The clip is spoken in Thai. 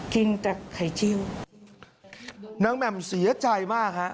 คุณแม่เสียใจมากค่ะ